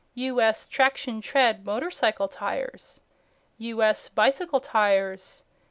"U.S." Traxion Tread Motorcycle Tires. "U.S." Bicycle Tires.